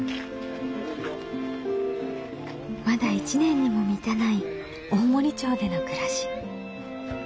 まだ１年にも満たない大森町での暮らし。